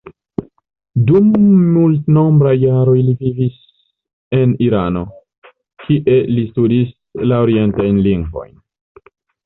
Dum multenombraj jaroj li vivis en Irano, kie li studis la orientajn lingvojn.